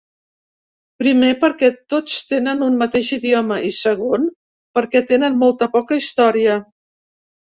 Primer, perquè tots tenen un mateix idioma, i segon, perquè tenen molt poca història.